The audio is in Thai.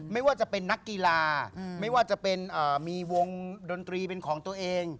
ไม่ว่าจะเป็นนักกีฬาไม่ว่าจะเป็นมีวงดนตรีเป็นของตัวเอง